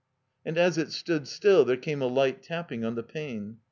And as it stood still there came a light tapping on the pane.